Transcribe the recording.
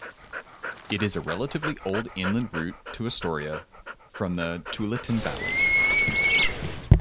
It is a relatively old inland route to Astoria from the Tualatin Valley.